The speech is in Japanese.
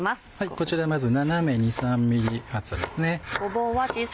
こちらまず斜めに３ｍｍ厚さですね。